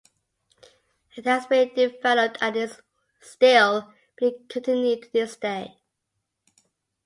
It has been developed and is still being continued to this day.